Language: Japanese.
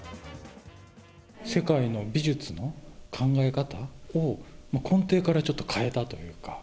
世界の美術の考え方を、根底からちょっと変えたというか。